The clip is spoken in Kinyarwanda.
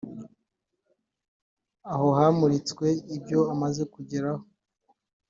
aho hamuritswe ibyo umaze kugeraho